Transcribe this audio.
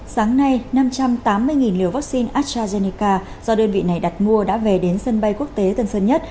sáng nay năm trăm tám mươi liều vaccine astrazeneca do đơn vị này đặt mua đã về đến sân bay quốc tế tân sơn nhất